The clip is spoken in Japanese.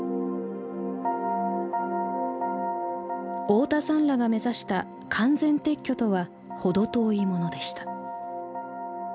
大田さんらが目指した完全撤去とは程遠いものでした。